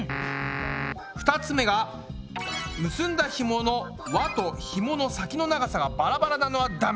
２つ目が結んだひもの輪とひもの先の長さがバラバラなのはダメ。